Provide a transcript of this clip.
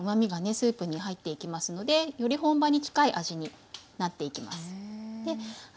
スープに入っていきますのでより本場に近い味になっていきます。